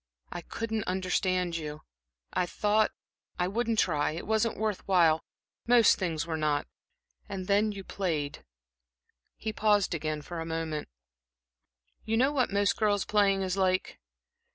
I couldn't understand you. I thought I wouldn't try. It wasn't worth while most things were not. And then you played" He paused again for a moment. "You know what most girls' playing is like.